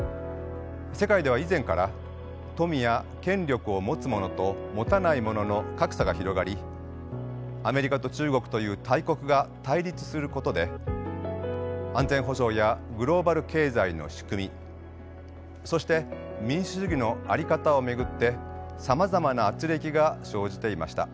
世界では以前から富や権力を持つ者と持たない者の格差が広がりアメリカと中国という大国が対立することで安全保障やグローバル経済の仕組みそして民主主義のあり方を巡ってさまざまな軋轢が生じていました。